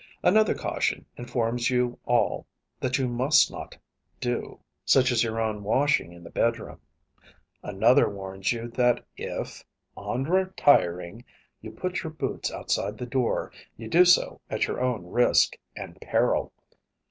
Another caution informs you of all that you must not do, such as your own washing in the bedroom. Another warns you that if, on retiring, you put your boots outside the door, you do so at your own risk and peril.